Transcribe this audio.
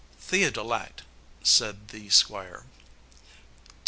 "Theodolite," said the Squire.